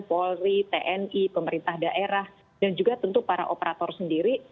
polri tni pemerintah daerah dan juga tentu para operator sendiri